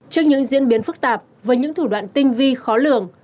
trước những diễn biến phức tạp với những thủ đoạn tinh vi khó lường